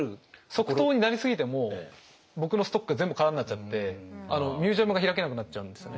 即答になりすぎても僕のストック全部空になっちゃってミュージアムが開けなくなっちゃうんですよね。